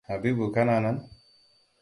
Habibu kana nan?